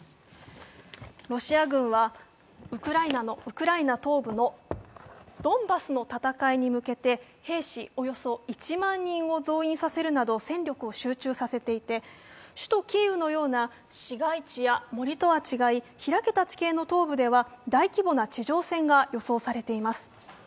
ロシア軍はウクライナ東部のドンバスの戦いに向けて兵士およそ１万人を増員させるなど戦力を集中させていて、首都キーウのような市街地や森とは違い開けた地形の東部では大規模な地上戦が予想されています。